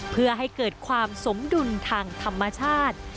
เพื่อให้เกิดความสมดุลทางธรรมชาติ